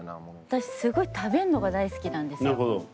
私すごい食べるのが大好きなんですよ。